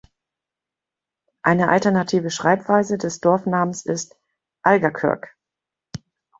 Eine alternative Schreibweise des Dorfnamens ist „Algakirk“.